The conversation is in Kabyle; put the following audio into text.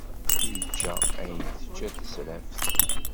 Yečča ayen tečča tesraft.